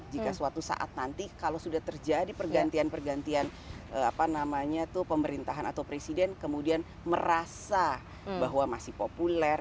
jika suatu saat nanti kalau sudah terjadi pergantian pergantian pemerintahan atau presiden kemudian merasa bahwa masih populer